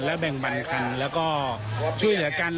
และแบ่งบันกันแล้วก็ช่วยกัน